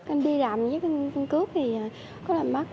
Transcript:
anh đi làm với căn cứ thì có lần mất